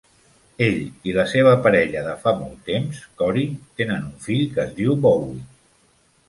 Ell i la seva parella de fa molt temps, Cory, tenen un fill que es diu Bowie.